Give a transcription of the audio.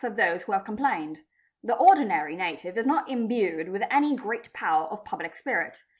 of those who have complained. The ordinary native is not d imbued with any great amount of public spirit.